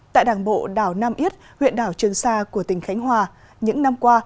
tại đảng bộ đảo nam yết huyện đảo trường sa của tỉnh khánh hòa những năm qua